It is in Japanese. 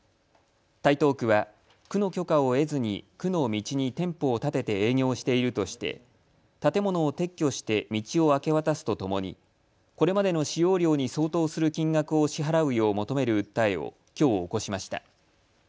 台東区は区の許可を得ずに区の道に店舗を建てて営業しているとして建物を撤去して道を明け渡すとともにこれまでの使用料に相当する金額を支払うよう求める訴えをきょう起こしました。